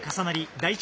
第１